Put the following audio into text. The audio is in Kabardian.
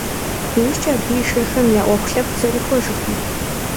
Иужькӏэ абы и шырхэм я ӏуэху лъэпкъ зрихуэжыркъым.